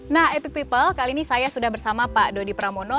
nah epic people kali ini saya sudah bersama pak dodi pramono